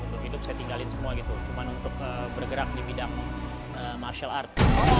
untuk hidup saya tinggalin semua gitu cuma untuk bergerak di bidang martial art